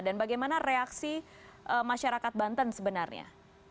dan bagaimana reaksi masyarakat banten sebenarnya